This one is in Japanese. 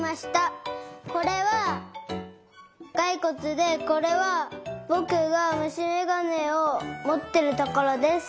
これはがいこつでこれはぼくがむしめがねをもってるところです。